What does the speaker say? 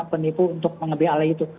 penipu untuk mengambil hal itu